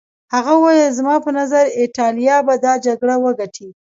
هغه وویل زما په نظر ایټالیا به دا جګړه وګټي.